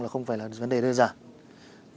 không phải là vấn đề đơn giản